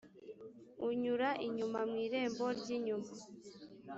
unyura inyuma mu irembo ry inyuma